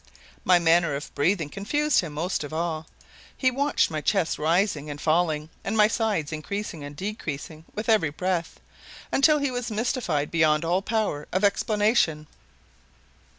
My manner of breathing confused him most of all. He watched my chest rising and falling and my sides increasing and decreasing with every breath, until he was mystified beyond all power of explanation.